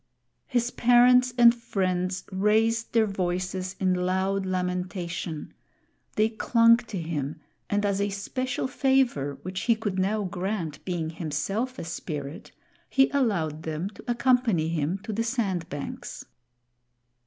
His parents and friends raised their voices in loud lamentation; they clung to him, and as a special favor, which he could now grant, being himself a spirit, he allowed them to accompany him to the sand banks.